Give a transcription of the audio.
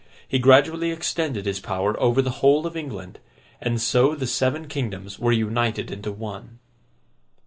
He gradually extended his power over the whole of England, and so the Seven Kingdoms were united into one.